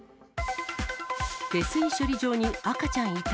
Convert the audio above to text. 下水処理場に赤ちゃん遺体。